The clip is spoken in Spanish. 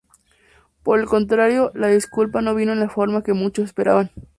Por el contrario, la disculpa no vino en la forma que muchos esperaban.